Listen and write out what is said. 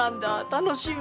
楽しみ！